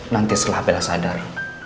nanti setelah bella sadar